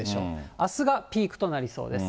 あすがピークとなりそうです。